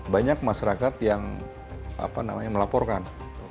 banyak masyarakat yang melaporkan